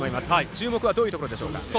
注目はどういうところでしょうか。